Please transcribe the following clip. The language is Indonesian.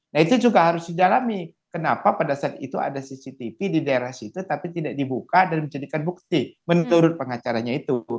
nah itu juga harus didalami kenapa pada saat itu ada cctv di daerah situ tapi tidak dibuka dan menjadikan bukti menurut pengacaranya itu